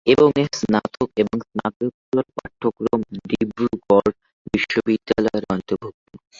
এবং এর স্নাতক এবং স্নাতকোত্তর পাঠক্রম ডিব্রুগড় বিশ্ববিদ্যালয়ের অন্তর্ভুক্ত।